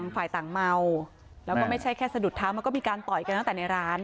ฝ่ายต่างเมาแล้วก็ไม่ใช่แค่สะดุดเท้ามันก็มีการต่อยกันตั้งแต่ในร้าน